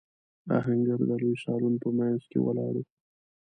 آهنګر د لوی سالون په مينځ کې ولاړ و.